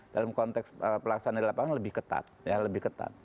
dalam konteks pelaksanaan nilai belakang lebih ketat